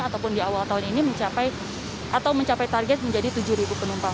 ataupun di awal tahun ini mencapai atau mencapai target menjadi tujuh penumpang